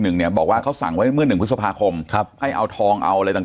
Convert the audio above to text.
หนึ่งเนี่ยบอกว่าเขาสั่งไว้เมื่อหนึ่งพฤษภาคมครับให้เอาทองเอาอะไรต่าง